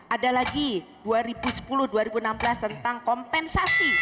ada lagi dua ribu sepuluh dua ribu enam belas tentang kompensasi